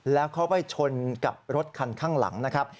แล้วเขาไปชนกับรถคันข้างหลังนะครับ